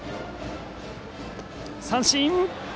三振。